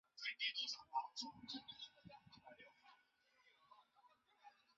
任何人不得迫使隶属于某一团体。